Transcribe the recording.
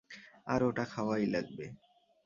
আর ওটা খাওয়াই লাগবে।